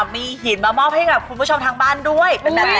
มีหินมามอบให้กับคุณผู้ชมทางบ้านด้วย